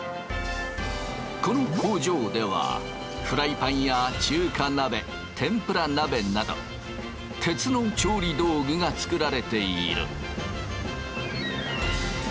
この工場ではフライパンや中華鍋天ぷら鍋など鉄の調理道具が作られている。